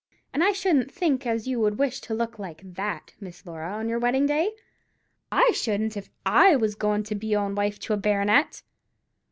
And I shouldn't think as you would wish to look like that, Miss Laura, on your wedding day? I shouldn't if I was goin' to be own wife to a baronet!"